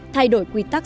thay đổi quy tắc